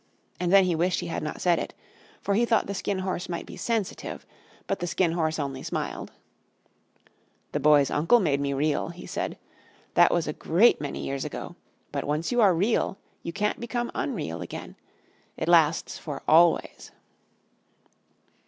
And then he wished he had not said it, for he thought the Skin Horse might be sensitive. But the Skin Horse only smiled. The Skin Horse Tells His Story "The Boy's Uncle made me Real," he said. "That was a great many years ago; but once you are Real you can't become unreal again. It lasts for always."